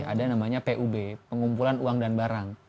ada namanya pub pengumpulan uang dan barang